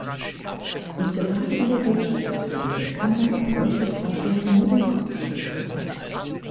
Und gerade in der Wirtschaftskrise kann man über solche Vorschläge nur den Kopf schütteln.